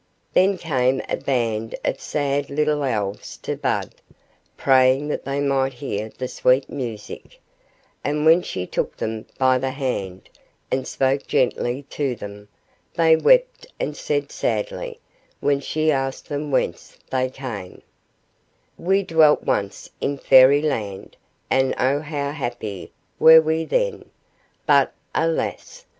Then came a band of sad little Elves to Bud, praying that they might hear the sweet music; and when she took them by the hand, and spoke gently to them, they wept and said sadly, when she asked them whence they came,— "We dwelt once in Fairy Land, and O how happy were we then! But alas!